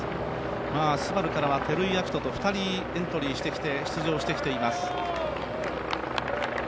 ＳＵＢＡＲＵからは照井明人と２人エントリー、出場してきております。